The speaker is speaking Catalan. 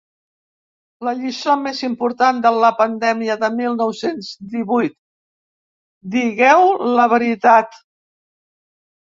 La lliçó més important de la pandèmia del mil nou-cents divuit: digueu la veritat!